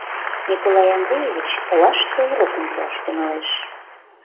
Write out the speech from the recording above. Николай Андреевич олаште урокым пуаш тӱҥалеш.